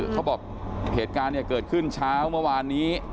เขาบอกเหตุการณ์เกิดขึ้นเช้าเมื่อวานนี้